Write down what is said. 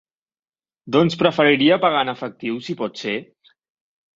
Doncs preferiria pagar en efectiu si pot ser?